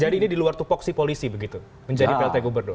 jadi ini di luar itu foksi polisi begitu menjadi peletai gubernur